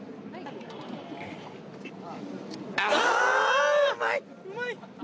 あー、うまい！